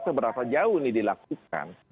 seberapa jauh ini dilakukan